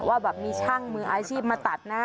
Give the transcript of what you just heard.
ว่าแบบมีช่างมืออาชีพมาตัดนะ